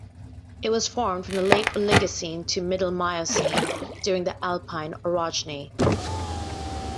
It was formed from the late Oligocene to middle Miocene, during the Alpine orogeny.